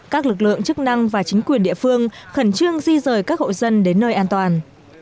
các lực lượng chức năng và chính quyền địa phương khẩn trương di rời các hộ dân đến nơi an toàn